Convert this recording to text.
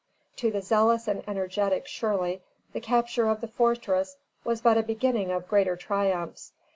To the zealous and energetic Shirley the capture of the fortress was but a beginning of greater triumphs.